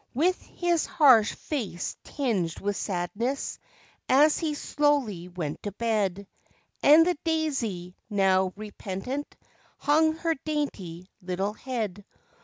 With his harsh face tinged with sadness as he slowly went to bed. And the daisy, now repentant, hung her dainty little head.